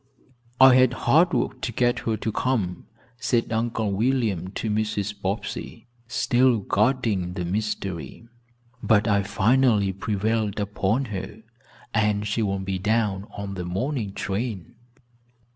"I had hard work to get her to come," said Uncle William to Mrs. Bobbsey, still guarding the mystery, "but I finally prevailed upon her and she will be down on the morning train."